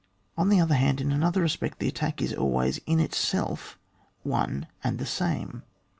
On the other hand, in another respect, the attack is always in itself one and the same.